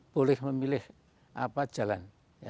boleh memilih jalan